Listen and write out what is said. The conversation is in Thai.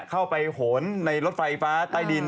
เข้าไปหนในรถไฟฟ้าใต้ดิน